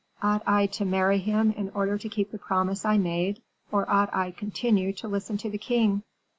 Ought I to marry him in order to keep the promise I made, or ought I continue to listen to the king?"